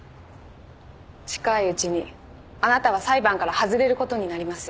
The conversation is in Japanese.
近いうちにあなたは裁判から外れることになります。